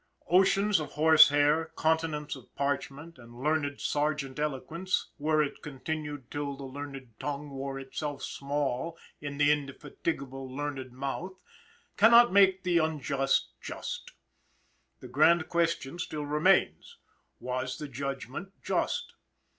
"_Oceans of horse hair, continents of parchment, and learned sergeant eloquence, were it continued till the learned tongue wore itself small in the indefatigable learned mouth, cannot make the unjust just. The grand question still remains, Was the judgment just?